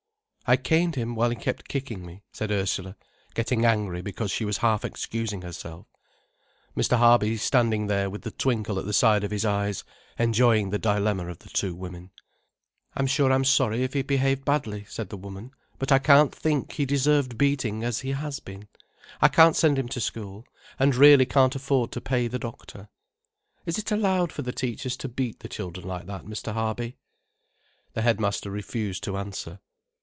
"I caned him while he kept kicking me," said Ursula, getting angry because she was half excusing herself, Mr. Harby standing there with the twinkle at the side of his eyes, enjoying the dilemma of the two women. "I'm sure I'm sorry if he behaved badly," said the woman. "But I can't think he deserved beating as he has been. I can't send him to school, and really can't afford to pay the doctor.—Is it allowed for the teachers to beat the children like that, Mr. Harby?" The headmaster refused to answer.